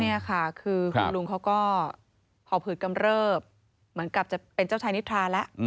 นี่ค่ะคือคุณลุงเขาก็หอบหืดกำเริบเหมือนกับจะเป็นเจ้าชายนิทราแล้ว